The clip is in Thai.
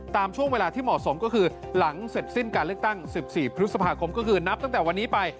ตามช่วงเวลาที่เหมาะสมก็คือหลังเสร็จสิ้นการเลือกตั้ง๑๔พฤษภาคมก็คือนับตั้งแต่วันนี้ไป